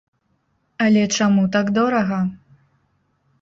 Але чаму так дорага?!